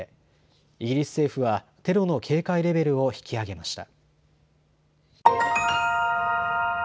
イギリス政府はテロの警戒レベルを引き上げました。